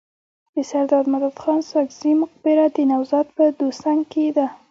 د سرداد مددخان ساکزي مقبره د نوزاد په دوسنګ کي ده.